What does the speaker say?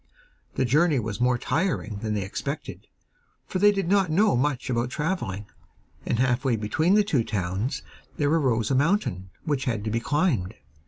The journey was more tiring than they expected, for they did not know much about travelling, and half way between the two towns there arose a mountain which had to be climbed.